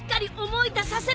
思い出せ！